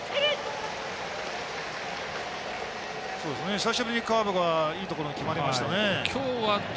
久しぶりにカーブがいいところに決まりましたね。